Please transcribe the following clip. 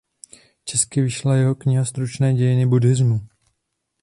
Česky vyšla jeho kniha "Stručné dějiny buddhismu".